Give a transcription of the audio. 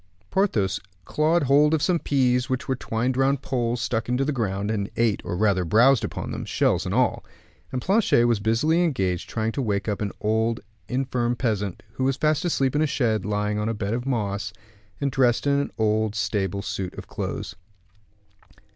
Porthos clawed hold of some peas which were twined round poles stuck into the ground, and ate, or rather browsed upon them, shells and all: and Planchet was busily engaged trying to wake up an old and infirm peasant, who was fast asleep in a shed, lying on a bed of moss, and dressed in an old stable suit of clothes.